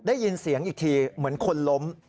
ได้ยินเสียงอีกทีเหมือนคนล้ม